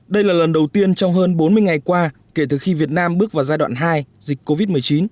đây là lần đầu tiên trong hơn bốn mươi ngày qua kể từ khi việt nam bước vào giai đoạn hai dịch covid một mươi chín